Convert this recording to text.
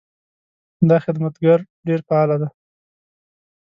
دا خدمتګر ډېر فعاله ده.